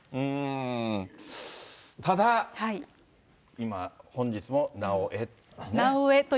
ただ、今、本日もなおエと。